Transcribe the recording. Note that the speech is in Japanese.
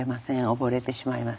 溺れてしまいます。